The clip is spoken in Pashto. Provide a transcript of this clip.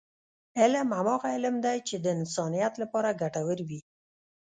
علم هماغه علم دی، چې د انسانیت لپاره ګټور وي.